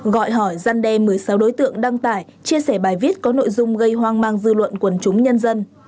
gọi hỏi gian đe một mươi sáu đối tượng đăng tải chia sẻ bài viết có nội dung gây hoang mang dư luận quần chúng nhân dân